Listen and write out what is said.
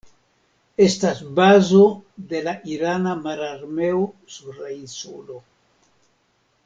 Estas bazo de la irana mararmeo sur la insulo.